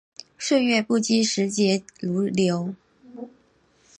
岁月不居，时节如流。